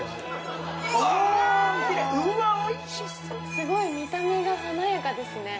すごい見た目が華やかですね